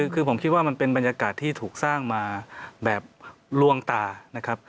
คือผมคิดว่ามันเป็นบรรยากาศที่ถูกสร้างมาแบบลวงตานะครับ